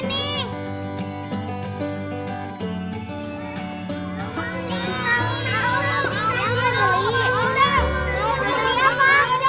ini enak banget loh